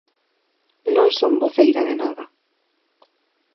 Non son voceira de nada.